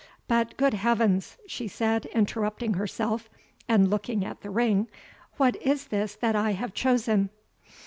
But, good heavens!" she said, interrupting herself, and looking at the ring, "what is this that I have chosen?"